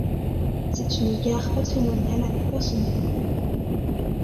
C'est une gare patrimoniale avec personnel.